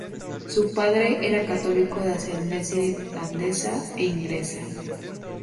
Su padre era católico de ascendencia irlandesa e inglesa.